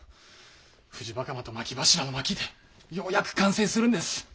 「藤袴」と「真木柱」の巻でようやく完成するんです。